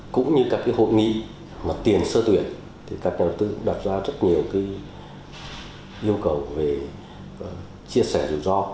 cũng như các hội nghị tiền sơ tuyển các nhà đầu tư đặt ra rất nhiều yêu cầu chia sẻ rủi ro